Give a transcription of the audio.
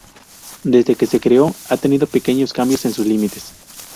Desde que se creó, ha tenido pequeños cambios en sus límites.